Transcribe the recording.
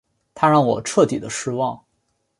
他让我彻底的失望